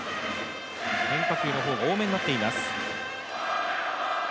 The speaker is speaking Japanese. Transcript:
変化球の方が多めになっています。